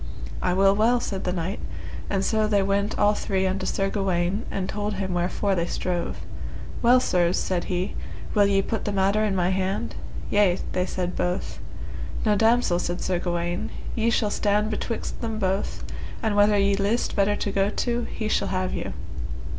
I will well, said the knight, and so they went all three unto Sir Gawaine and told him wherefore they strove. Well, sirs, said he, will ye put the matter in my hand? Yea, they said both. Now damosel, said Sir Gawaine, ye shall stand betwixt them both, and whether ye list better to go to, he shall have you.